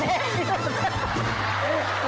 เล่นที่สุด